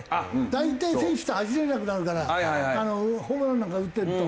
大体選手って走れなくなるからホームランなんか打ってると。